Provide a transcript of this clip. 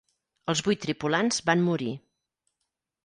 Els vuit tripulants van morir.